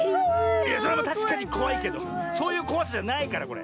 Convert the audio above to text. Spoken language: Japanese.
いやそれはたしかにこわいけどそういうこわさじゃないからこれ。